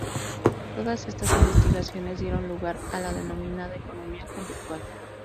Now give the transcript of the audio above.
Todas estas investigaciones dieron lugar a la denominada economía conductual.